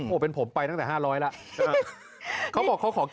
โอ้เป็นผมไปตั้งแต่๕๐๐หละเขาบอกเขาขอเก็บไว้ก่อน